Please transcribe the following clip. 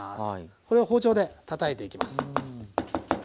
これを包丁でたたいていきます。